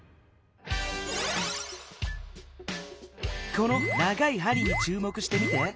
この長い針にちゅうもくしてみて。